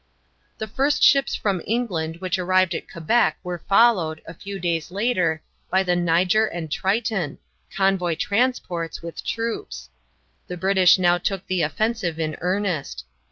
The first ships from England which arrived at Quebec were followed, a few days later, by the Niger and Triton, convoy transports, with troops. The British now took the offensive in earnest.